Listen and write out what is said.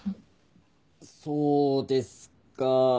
そうですか。